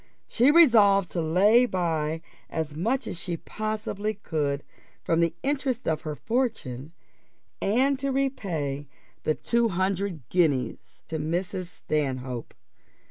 She resolved to lay by as much as she possibly could, from the interest of her fortune, and to repay the two hundred guineas to Mrs. Stanhope.